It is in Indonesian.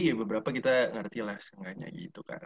ya beberapa kita ngerti lah setidaknya gitu kak